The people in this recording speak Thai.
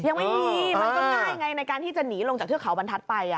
ยังไม่มีมันก็ง่ายไงในการที่จะหนีลงจากเทือกเขาบรรทัศน์ไป